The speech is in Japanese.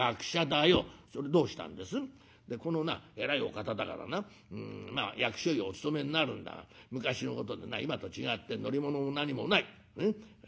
「でこのな偉いお方だからな役所にお勤めになるんだが昔のことでな今と違って乗り物も何もない。